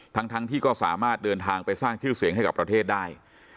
ทั้งที่ก็สามารถเดินทางไปสร้างชื่อเสียงให้กับประเทศได้